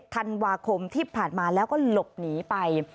ธันวาคมที่ผ่านมาแล้วก็หลบหนีไป